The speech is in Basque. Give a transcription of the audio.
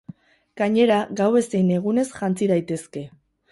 Gainera, gauez zein egunez jantzi daitezke.